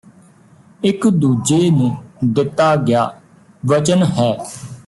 ਇਕ ਦੂਜੇ ਨੂੰ ਦਿੱਤਾ ਗਿਆ ਵਚਨ ਹੈ